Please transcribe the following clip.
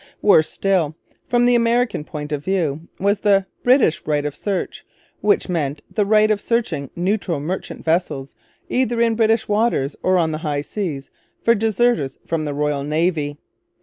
Worse still, from the American point of view, was the British Right of Search, which meant the right of searching neutral merchant vessels either in British waters or on the high seas for deserters from the Royal Navy.